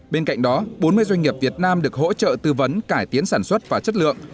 bên cạnh đó bốn mươi doanh nghiệp việt nam được hỗ trợ tư vấn cải tiến sản xuất và chất lượng